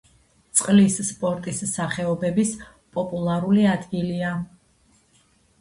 წყლის სპორტის სახეობების პოპულარული ადგილია.